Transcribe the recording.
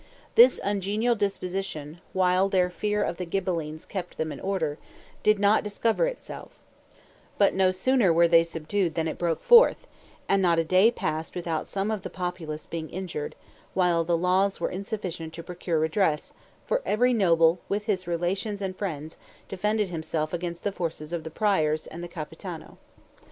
This ungenial disposition, while their fear of the Ghibellines kept them in order, did not discover itself, but no sooner were they subdued than it broke forth, and not a day passed without some of the populace being injured, while the laws were insufficient to procure redress, for every noble with his relations and friends defended himself against the forces of the Priors and the Capitano.